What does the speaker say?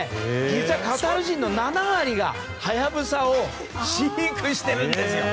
実はカタール人の７割がハヤブサを飼育しているんですよ。